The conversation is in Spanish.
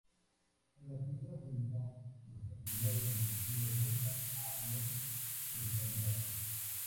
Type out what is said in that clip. En la primera vuelta los afiliados del partido votan a los precandidatos.